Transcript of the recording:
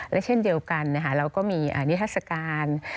และเช่นเดียวกันเราก็มีนิทราชการ